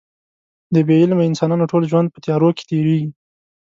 د بې علمه انسانانو ټول ژوند په تیارو کې تېرېږي.